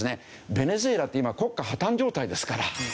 ベネズエラって今国家破綻状態ですから。